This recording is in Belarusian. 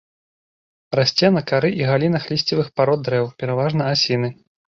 Расце на кары і галінах лісцевых парод дрэў, пераважна асіны.